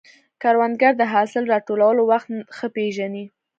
کروندګر د حاصل راټولولو وخت ښه پېژني